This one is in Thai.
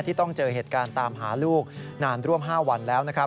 ที่ต้องเจอเหตุการณ์ตามหาลูกนานร่วม๕วันแล้ว